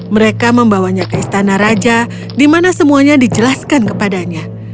mereka membawanya ke istana raja di mana semuanya dijelaskan kepadanya